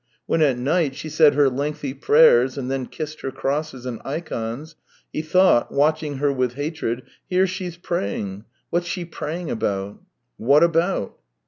When at night she said her lengthy prayers and then kissed her crosses and THREE YEARS 239 ikons, he thought, watching her with hatred, " Here she's praying. What's she praying about ? What about